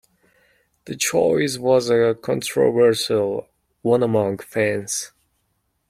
The choice was a controversial one among fans.